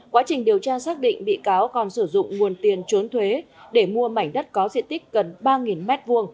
quá trình điều tra xác định bị cáo còn sử dụng nguồn tiền trốn thuế để mua mảnh đất có diện tích gần ba m hai